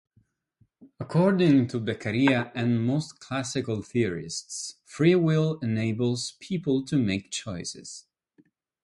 According to Beccaria-and most classical theorists-free will enables people to make choices.